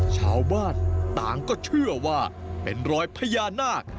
ชาวบ้านต่างก็เชื่อว่าเป็นรอยพญานาค